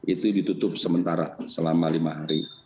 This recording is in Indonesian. itu ditutup sementara selama lima hari